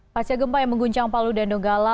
paca gempa yang mengguncang palu dan nogala